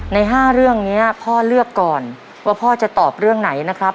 ใน๕เรื่องนี้พ่อเลือกก่อนว่าพ่อจะตอบเรื่องไหนนะครับ